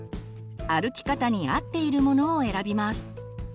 歩き方に合っているものを選びます。